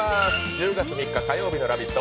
１０月３日火曜日の「ラヴィット！」